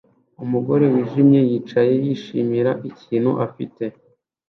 Umugore wijimye yicaye yishimira ikintu afite